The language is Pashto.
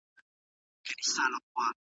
افغان ځوانان د نړیوالي ټولني بشپړ ملاتړ نه لري.